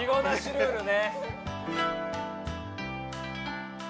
ルールね。